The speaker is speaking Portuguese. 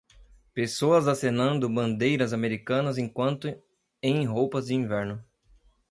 Pessoas acenando bandeiras americanas enquanto em roupas de inverno.